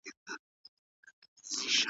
که قانون وي نو حق نه خوړل کیږي.